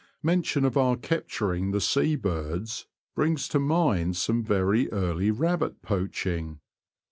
Mention of our capturing the sea birds brings to mind some very early rabbit poaching.